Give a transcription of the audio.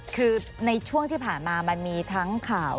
คือในช่วงที่ผ่านมามันมีทั้งข่าว